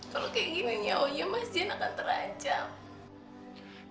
kalau kaya gini nyonya mas dian akan terancam